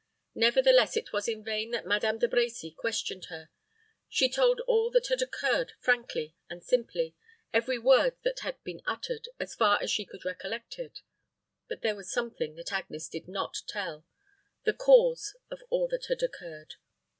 Nevertheless, it was in vain that Madame De Brecy questioned her. She told all that had occurred frankly and simply, every word that had been uttered, as far as she could recollect them. But there was something that Agnes did not tell the cause of all that had occurred.